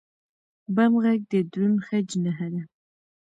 بم غږ د دروند خج نښه ده.